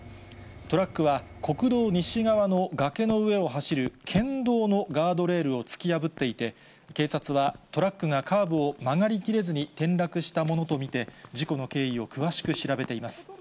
トラックは国道西側の崖の上を走る県道のガードレールを突き破っていて、警察はトラックがカーブを曲がりきれずに転落したものと見て、事故の経緯を詳しく調べています。